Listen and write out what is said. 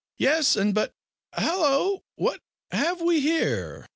"Yes; and, but hallo! what have we here?"